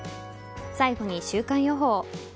最後に週間予報。